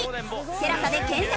「テラサ」で検索！